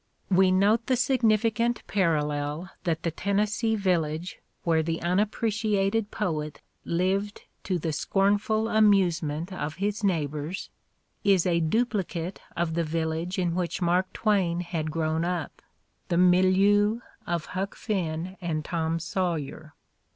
We note the significant parallel that the Tennes see village where the unappreciated poet lived to the 190 The Ordeal of Mark Twain scornful amusement of his neighbors is a duplicate of the village in which Mark Twain had grown up, the milieu of Huck Finn and Tom Sawyer.